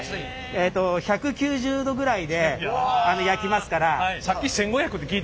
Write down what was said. えっと１９０℃ぐらいで焼きますから。